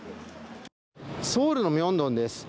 ソウルのミョンドンです。